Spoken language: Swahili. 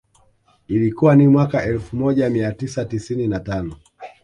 Ilikuwa ni mwaka elfu moja mia tisa tisini na tano